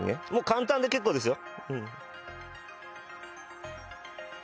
簡単で結構ですよ。